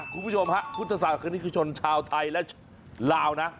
คุณผู้ชมครับพุทธศาสตร์คนนี้คือชนชาวไทยและลาวนะ